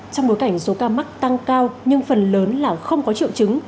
trong bối cảnh số ca mắc tăng cao nhưng phần lớn là không có triệu chứng